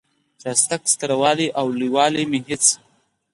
د شاتګ ستر والی او لوی والی مې هېڅ.